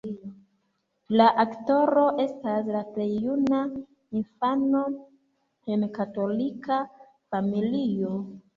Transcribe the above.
La aktoro estas la plej juna infano en katolika familio.